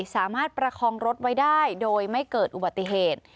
ประคองรถไว้ได้โดยไม่เกิดอุบัติเหตุ